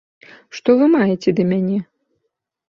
Што вы маеце да мяне?